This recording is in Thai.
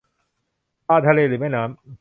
ปลาทะเลหรือแม่น้ำ ?